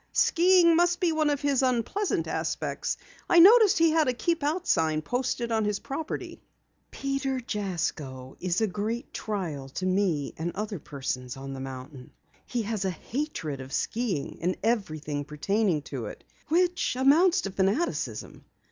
"Skiing must be one of his unpleasant aspects. I noticed he had a 'Keep Out' sign posted on his property." "Peter Jasko is a great trial to me and other persons on the mountain. He has a hatred of skiing and everything pertaining to it, which amounts to fanaticism.